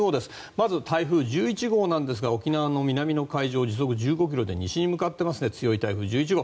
まず台風１１号なんですが沖縄の南の海上を時速１５キロで西に向かっている強い台風１１号。